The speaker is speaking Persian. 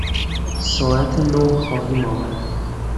ساعت نه خواهیم آمد.